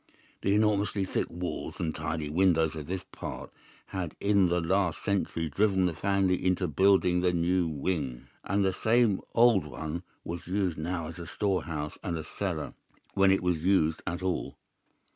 The enormously thick walls and tiny windows of this part had in the last century driven the family into building the new wing, and the old one was used now as a storehouse and a cellar, when it was used at all.